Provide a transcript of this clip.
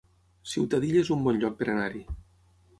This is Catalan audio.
Ciutadilla es un bon lloc per anar-hi